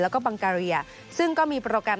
แล้วก็บังกาเรียซึ่งก็มีโปรแกรม